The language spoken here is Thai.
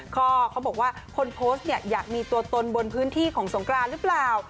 เขาบอกว่าคนโพสตุอยากมีตัวตนบนพื้นที่ของสงครานรึเปล่า